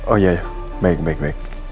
oh iya baik baik